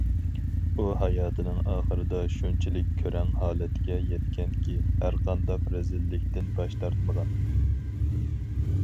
ئۇ ھاياتىنىڭ ئاخىرىدا شۇنچىلىك كۆرەڭ ھالەتكە يەتكەنكى، ھەرقانداق رەزىللىكتىن باش تارتمىغان.